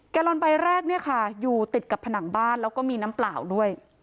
แกลลอนใบแรกเนี่ยค่ะอยู่ติดกับผนังบ้านแล้วก็มีน้ำเปล่าด้วย